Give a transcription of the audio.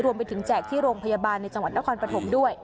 แจกที่โรงพยาบาลในจังหวัดนครปฐมด้วย